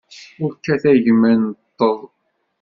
Ur kkat a gma ineṭṭeḍ.